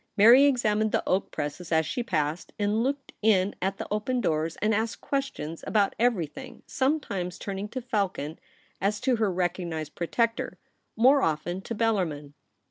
Mary examined the oak presses as she passed, and looked in at open doors, and asked questions about everything, sometimes turning to Falcon as to her recognised protector, more often to Bellarmin.